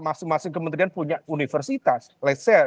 masing masing kementerian punya universitas